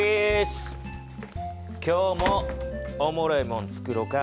今日もおもろいもんつくろか。